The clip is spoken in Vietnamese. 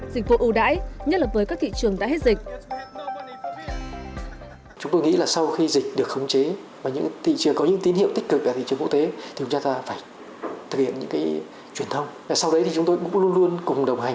dịch vụ ưu đãi nhất là với các thị trường đã hết dịch